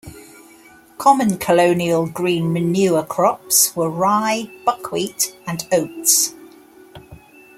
Common colonial green manure crops were rye, buckwheat and oats.